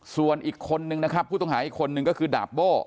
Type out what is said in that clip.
ส่วนอีกคนนึงนะครับผู้ต้องหาอีกคนนึงก็คือดาบโบ้